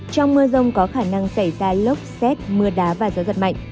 trong mưa rông có khả năng xảy ra lốc xét mưa đá và gió giật mạnh